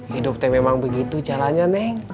hidup teh memang begitu jalannya nih